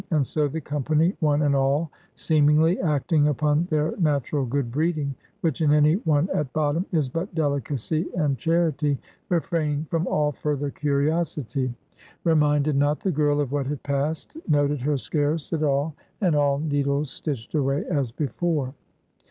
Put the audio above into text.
And so the company, one and all, seemingly acting upon their natural good breeding, which in any one at bottom, is but delicacy and charity, refrained from all further curiosity; reminded not the girl of what had passed; noted her scarce at all; and all needles stitched away as before.